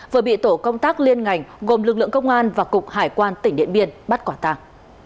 vừa bị tổ công tác liên ngành gồm lực lượng công an và cục hải quan tỉnh điện biên bắt quả tàng